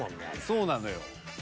そうなのよ。